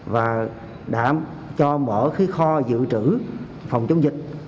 và đã cho mở cái kho dự trữ phòng chống dịch